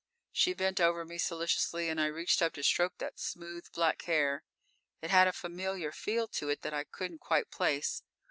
"_ _She bent over me solicitously and I reached up to stroke that smooth black hair. It had a familiar feel to it that I couldn't quite place.